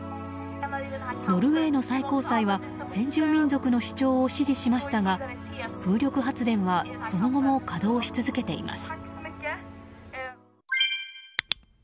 ノルウェーの最高裁は先住民族の主張を支持しましたが風力発電はその後も稼働し続けています。